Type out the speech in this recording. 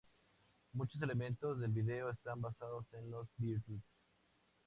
Muchos elementos del video están basados en Los Beatles.